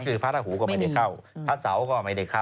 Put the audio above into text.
คือพระราหูก็ไม่ได้เข้าพระเสาก็ไม่ได้เข้า